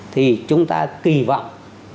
thì chúng ta kỳ vọng